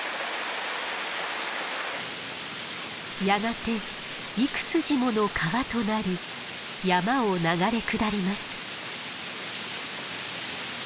やがて幾筋もの川となり山を流れ下ります。